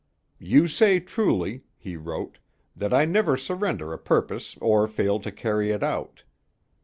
"You say truly," he wrote, "that I never surrender a purpose or fail to carry it out.